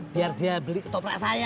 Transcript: biar dia beli ketoprak saya